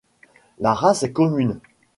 La race est commune.